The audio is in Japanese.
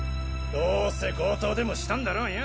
どうせ強盗でもしたんだろうよ。